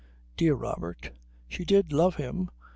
Dear Robert. She did love him.